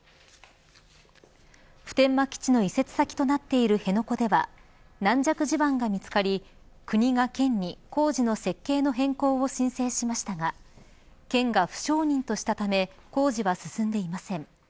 普天間基地の移設先となっている辺野古では軟弱地盤が見つかり国が県に工事の設計の変更を申請しましたが県が不承認としたため工事は進んでいません。